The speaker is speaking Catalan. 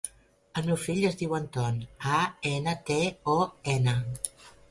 El meu fill es diu Anton: a, ena, te, o, ena.